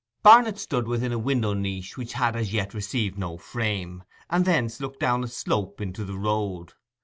Barnet stood within a window niche which had as yet received no frame, and thence looked down a slope into the road.